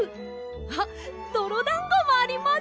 あっどろだんごもあります！